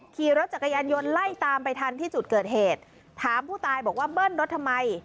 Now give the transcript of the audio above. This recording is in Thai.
ขี่รถจักรยานยนต์ไล่ตามไปทันที่จุดเกิดเหตุถามผู้ตายบอกว่าเบิ้ลรถทำไม